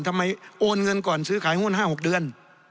ทำไมโอนเงินก่อนซื้อขายหุ้น๕๖เดือน